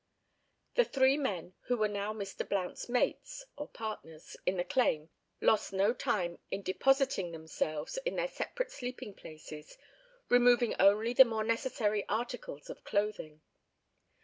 The three men who were now Mr. Blount's "mates" (or partners) in the claim lost no time in depositing themselves in their separate sleeping places, removing only the more necessary articles of clothing.